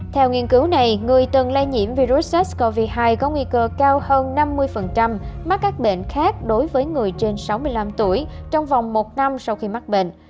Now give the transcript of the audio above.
theo nghiên cứu này người từng lây nhiễm virus sars cov hai có nguy cơ cao hơn năm mươi mắc các bệnh khác đối với người trên sáu mươi năm tuổi trong vòng một năm sau khi mắc bệnh